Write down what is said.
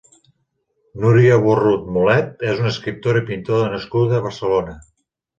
Núria Borrut Mulet és una escriptora i pintora nascuda a Barcelona.